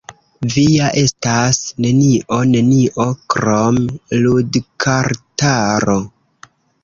"Vi ja estas nenio, nenio krom ludkartaro!"